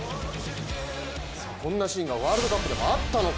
こんなシーンがワールドカップでもあったのか。